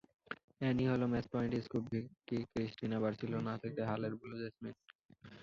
Annie Hall, Match Point, Scoop, Vicky Cristina Barcelona, থেকে হালের Blue jasmine.